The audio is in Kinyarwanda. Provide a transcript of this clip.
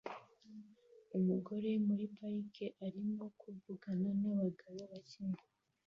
Umugore muri parike arimo kuvugana nabagabo bake